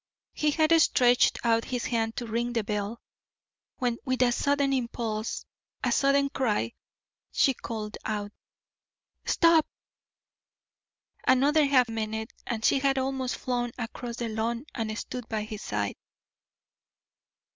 He had stretched out his hand to ring the bell, when, with a sudden impulse, a sudden cry, she called out: "Stop!" Another half minute and she had almost flown across the lawn and stood by his side.